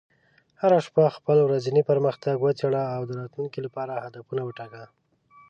هره شپه خپل ورځنی پرمختګ وڅېړه، او د راتلونکي لپاره هدفونه وټاکه.